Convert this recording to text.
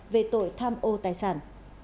về tội tham ô tài sản